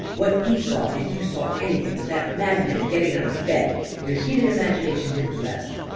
" What you saw, if you saw any thing, was that madman getting out of bed. Your heated imagination did the rest."